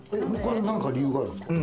何か理由があるんですか？